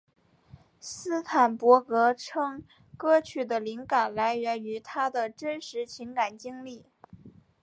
斯坦伯格称歌曲的灵感来源于他的真实情感经历。